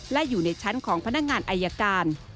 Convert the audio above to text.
และอยู่ในชั้นของพนักงานอายการ